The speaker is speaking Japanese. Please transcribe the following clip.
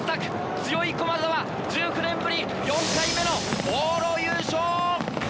強い駒澤、１９年ぶり４回目の往路優勝！